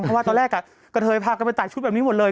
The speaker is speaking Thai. เพราะว่าตอนแรกกระเทยพากันไปตากชุดแบบนี้หมดเลย